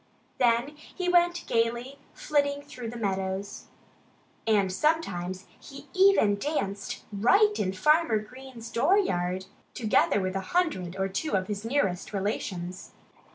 Then he went gaily flitting through the meadows. And sometimes he even danced right in Farmer Green's dooryard, together with a hundred or two of his nearest relations.